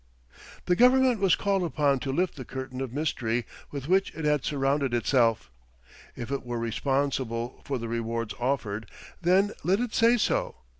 The Government was called upon to lift the curtain of mystery with which it had surrounded itself. If it were responsible for the rewards offered, then let it say so.